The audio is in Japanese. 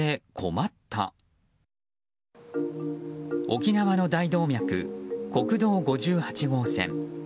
沖縄の大動脈、国道５８号線。